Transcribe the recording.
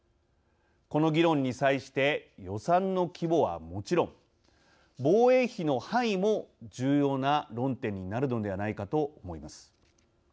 この議論に際して予算の規模はもちろん防衛費の範囲も重要な論点になるのではないかと思います。